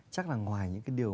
chắc là ngoài những cái điều